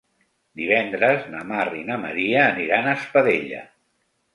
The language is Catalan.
Divendres na Mar i na Maria aniran a Espadella.